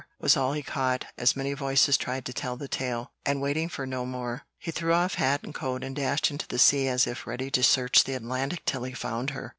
was all he caught, as many voices tried to tell the tale; and waiting for no more, he threw off hat and coat, and dashed into the sea as if ready to search the Atlantic till he found her.